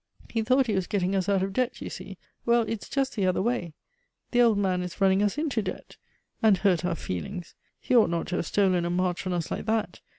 He thought he was getting us out of debt, you see? Well, it's just the other way; the old man is running us into debt and hurt our feelings! He ought not to have stolen a march on us like that.